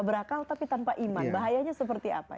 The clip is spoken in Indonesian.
abrakal tapi tanpa iman bahayanya seperti apa